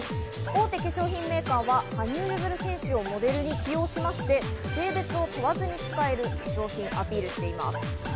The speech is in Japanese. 大手化粧品メーカーは羽生結弦選手をモデルに起用しまして、性別を問わずに使える化粧品をアピールしています。